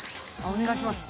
お願いします。